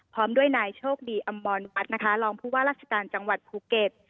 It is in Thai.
พร้อมด้วยนายโชคดีอำมรวัฒน์นะคะรองผู้ว่าราชการจังหวัดภูเก็ต